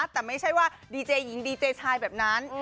แต่ไม่ใช่ว่าดีเจหญิงดีเจชายแบบนั้น